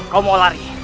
kau mau lari